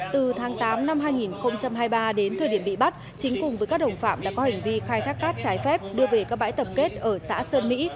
từ tháng tám năm hai nghìn hai mươi ba đến thời điểm bị bắt chính cùng với các đồng phạm đã có hành vi khai thác cát trái phép đưa về các bãi tập kết ở xã sơn mỹ